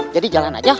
jadi jalan aja